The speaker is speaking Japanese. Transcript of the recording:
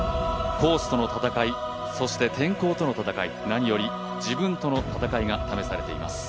コースとの戦い、そして天候との戦い、何より自分との戦いが試されています。